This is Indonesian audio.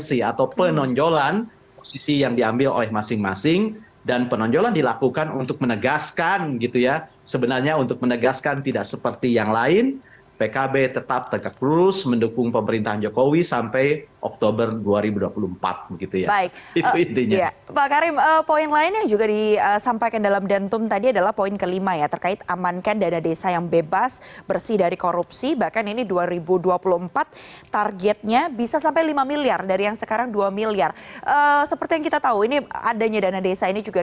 sehingga kehadiran mereka memenuhi ambang batas pencalonan presiden